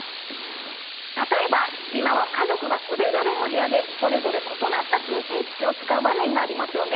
例えば今は家族がそれぞれの部屋でそれぞれ異なった通信機器を使う場面がありますよね。